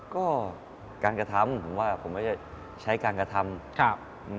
ก็การกระทำผมว่าผมก็จะใช้การกระทำ